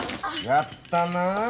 やったな。